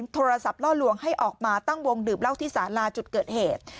โทรศัพท์ล่อลวงให้ออกมาตั้งวงดื่มเหล้าที่สาลาจุดเกิดเหตุ